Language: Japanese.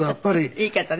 いい方ね。